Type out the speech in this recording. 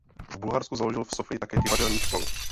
V Bulharsku založil v Sofii také divadelní školu.